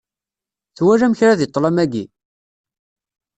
Twalam kra deg ṭlam-agi?